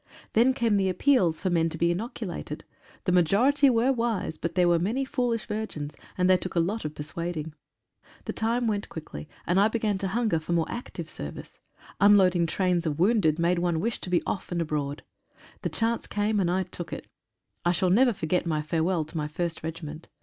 Then came the appeals for men to be inoculated. The majority were wise, but there were many foolish virgins, and they took a lot of persuading. The time went quickly, and I began to bunger for more active service — unloading trains of wounded made one wish to be off and abroad. The chance came, and I took it. I shall never forget my farewell to my first regiment.